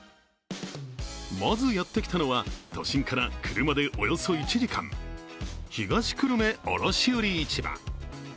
まずやってきたのは、都心から車でおよそ１時間、東久留米卸売市場。